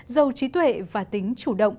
dầu trí tuệ và tính chủ động